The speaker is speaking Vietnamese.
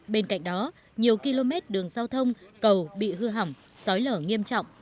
bên cạnh đó nhiều km đường giao thông cầu bị hư hỏng sói lở nghiêm trọng